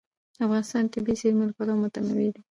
افغانستان د طبیعي زیرمې له پلوه متنوع دی.